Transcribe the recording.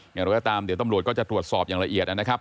อย่างไรก็ตามเดี๋ยวตำรวจก็จะตรวจสอบอย่างละเอียดนะครับ